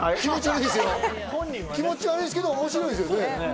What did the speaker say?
気持ち悪いけど面白いですよ。